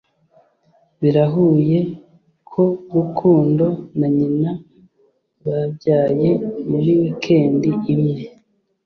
Birahuye ko Rukundo na nyina babyaye muri wikendi imwe